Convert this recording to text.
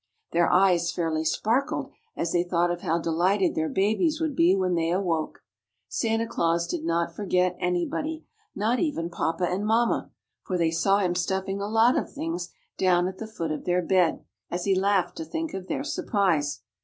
Their eyes fairly sparkled, as they thought of how delighted their babies would be when they awoke. Santa Claus did not forget anybody—not even papa and mamma, for they saw him stuffing a lot of things down at the foot of their bed, as he laughed to think of their surprise.